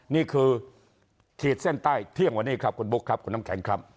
นี่คือขีดเส้นใต้เที่ยงวันนี้ครับคุณบุ๊คครับคุณน้ำแข็งครับ